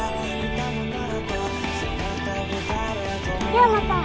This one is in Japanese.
桧山さん。